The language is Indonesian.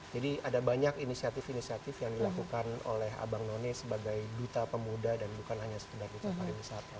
jadi ada banyak inisiatif inisiatif yang dilakukan oleh abang none sebagai duta pemuda dan bukan hanya setidaknya duta pariwisata